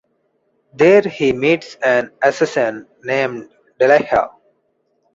There he meets an assassin named Delilah.